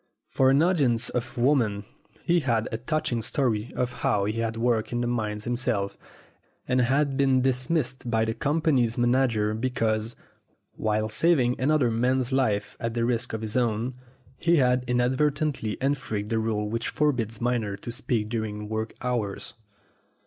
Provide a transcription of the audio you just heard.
For an audience of women he had a touching story of how he had worked in the mines himself and had been dismissed by the company's manager because, while saving another man's life at the risk of his own, he had inadvertently infringed the rule which forbids miners to speak during work hours.